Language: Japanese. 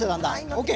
ＯＫ！